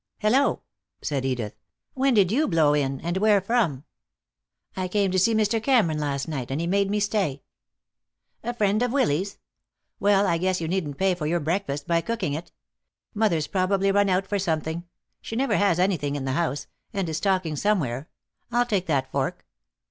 "Hello!" said Edith. "When did you blow in, and where from?" "I came to see Mr. Cameron last night, and he made me stay." "A friend of Willy's! Well, I guess you needn't pay for your breakfast by cooking it. Mother's probably run out for something she never has anything in the house and is talking somewhere. I'll take that fork."